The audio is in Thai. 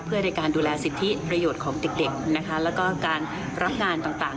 เพื่อในการดูแลสิทธิประโยชน์ของเด็กนะคะแล้วก็การรับงานต่าง